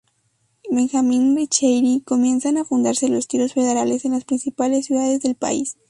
Benjamín Ricchieri comienzan a fundarse los Tiros Federales en las principales ciudades del país.